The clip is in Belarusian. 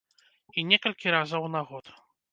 І некалькі разоў на год.